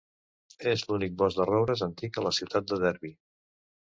És l'únic bosc de roures antic a la ciutat de Derby.